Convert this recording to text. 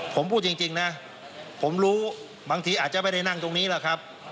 ผมพูดจริงนะผมรู้บางทีอาจจะไม่ได้นั่งตรงนี้แหละครับ